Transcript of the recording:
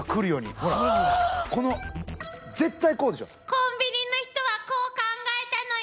コンビニの人はこう考えたのよ！